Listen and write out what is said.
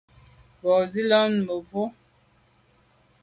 Bin lo zin mebwô.